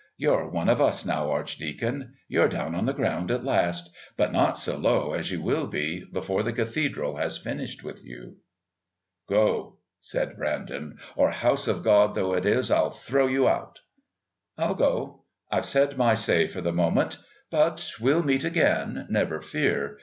You're one of us now, Archdeacon. You're down on the ground at last, but not so low as you will be before the Cathedral has finished with you." "Go," said Brandon, "or, House of God though this is, I'll throw you out." "I'll go. I've said my say for the moment. But we'll meet again, never fear.